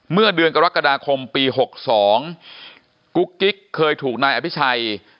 เมื่อเดือนกรกฎาคมปี๖๒กุ๊กกิ๊กเคยถูกนายอภิชัย